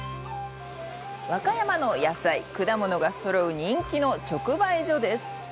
和歌山の野菜、果物がそろう人気の直売所です。